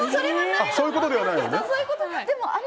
そういうことではないんですが。